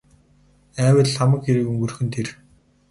Айвал л хамаг хэрэг өнгөрөх нь тэр.